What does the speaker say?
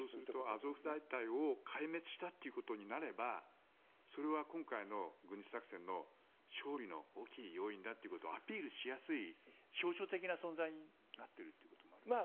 アゾフ大隊を壊滅したということになれば今回の軍事作戦の勝利の大きい要因だということをアピールしやすい象徴的な存在になっているんですか？